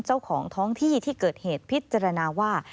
เจ้าของท้องที่ที่เกิดเหตุพิจารณาว่า